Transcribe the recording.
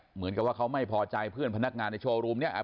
เหมือนกับว่าเขาไม่พอใจเพื่อนพนักงานในโชว์รูมเนี่ย